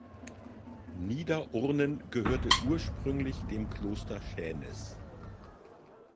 Niederurnen gehörte ursprünglich dem Kloster Schänis.